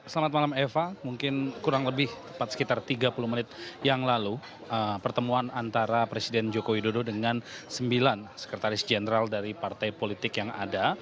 selamat malam eva mungkin kurang lebih tepat sekitar tiga puluh menit yang lalu pertemuan antara presiden joko widodo dengan sembilan sekretaris jenderal dari partai politik yang ada